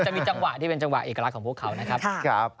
จะมีจังหวะที่เป็นจังหวะเอกลักษณ์ของพวกเขานะครับ